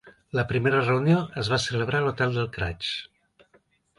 La primera reunió es va celebrar a l'hotel del Craig.